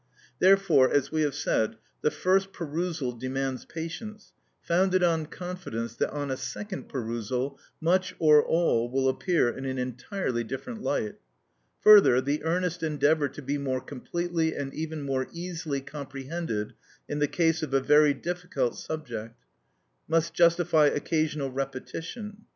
Therefore, as we have said, the first perusal demands patience, founded on confidence that on a second perusal much, or all, will appear in an entirely different light. Further, the earnest endeavour to be more completely and even more easily comprehended in the case of a very difficult subject, must justify occasional repetition.